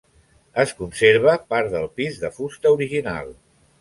Es conserva part del pis de fusta original.